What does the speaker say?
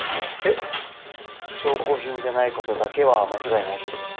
えっ？証拠品じゃない事だけは間違いないです。